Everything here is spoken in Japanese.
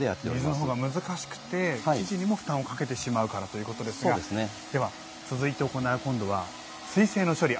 水のほうが難しくて生地にも負担をかけてしまうからということですがでは続いて行う今度は水性の処理